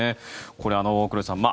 これ、黒井さん